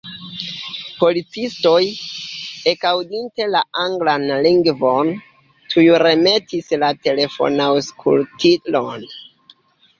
Policistoj, ekaŭdinte la anglan lingvon, tuj remetis la telefonaŭskultilon.